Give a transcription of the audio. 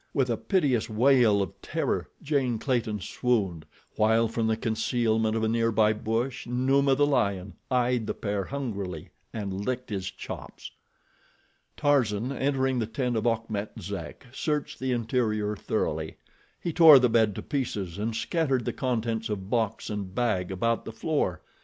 With a piteous wail of terror, Jane Clayton swooned, while, from the concealment of a nearby bush, Numa, the lion, eyed the pair hungrily and licked his chops. Tarzan, entering the tent of Achmet Zek, searched the interior thoroughly. He tore the bed to pieces and scattered the contents of box and bag about the floor.